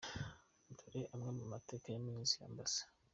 Dore amwe mu mateka ya Minisitiri, Amb.